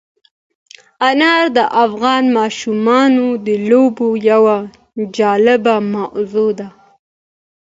انار د افغان ماشومانو د لوبو یوه جالبه موضوع ده.